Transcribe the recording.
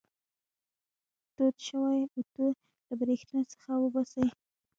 تود شوی اوتو له برېښنا څخه وباسئ.